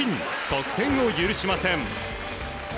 得点を許しません。